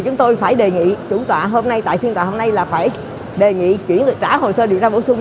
chúng tôi phải đề nghị tại phiên tòa hôm nay là phải đề nghị trả hồ sơ điều tra bổ sung